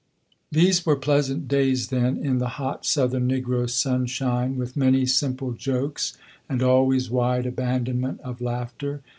These were pleasant days then, in the hot southern negro sunshine, with many simple jokes and always wide abandonment of laughter.